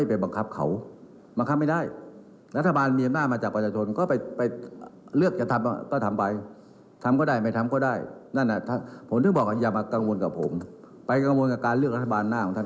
ไปกังวลกับการเลือกรัฐบาลหน้าของท่านเข้ามากัน